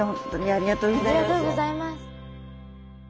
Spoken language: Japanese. ありがとうございます。